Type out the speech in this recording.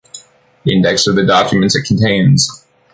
Index of the documents it contains.